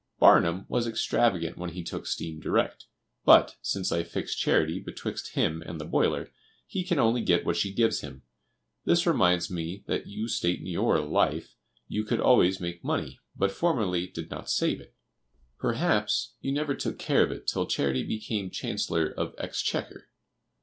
Barnum was extravagant when he took steam direct, but, since I fixed Charity betwixt him and the boiler, he can only get what she gives him. This reminds me that you state in your "Life" you could always make money, but formerly did not save it. Perhaps you never took care of it till Charity became Chancellor of Exchequer.